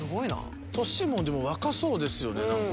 年も若そうですよね。